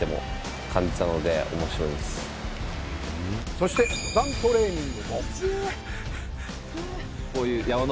そして登山トレーニングも